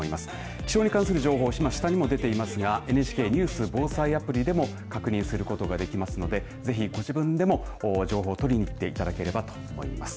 気象に関する情報、今下にも出てますがＮＨＫニュース・防災アプリでも確認することができますのでぜひご自分でも情報を取りにいっていただければと思います。